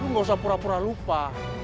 lo gak usah pura pura lupa